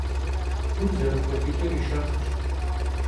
Gur zerık'uedıç'ır yi şşerxhş.